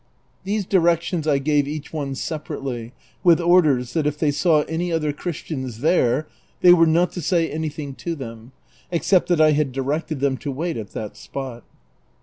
These directions I gave each one separately, with or ders that if they saw any other Christians there, they were not to say anything to them, except that I had directed them to wait at that spot.